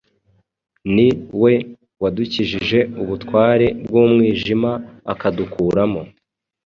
Ni we wadukijije ubutware bw’umwijima, akadukuramo